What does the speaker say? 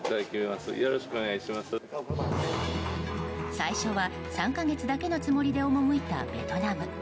最初は３か月だけのつもりで赴いたベトナム。